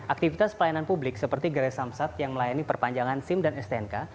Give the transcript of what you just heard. aktivitas pelayanan publik seperti gerai samsat yang melayani perpanjangan sim dan stnk